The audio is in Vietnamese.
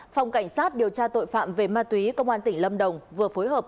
phòng cảnh sát điều tra tội phạm về ma túy công an tỉnh lâm đồng vừa phối hợp